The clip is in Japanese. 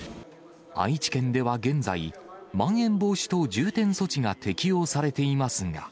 愛知県では現在、まん延防止等重点措置が適用されていますが。